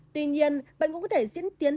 tuy nhiên bệnh cũng có thể diễn tiến